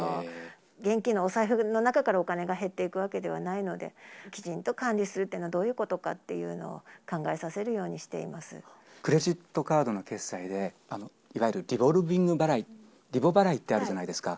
現金のお財布の中からお金が減っていくわけではないので、きちんと管理するというのは、どういうことかっていうのを考えさせるよクレジットカードの決済で、いわゆるリボルビング払い、リボ払いってあるじゃないですか。